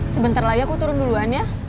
sebentar lagi aku turun duluan ya